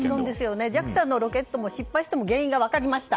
ＪＡＸＡのロケットも失敗しても原因が分かりました。